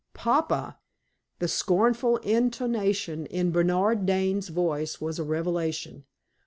"Papa!" the scornful intonation in Bernard Dane's voice was a revelation.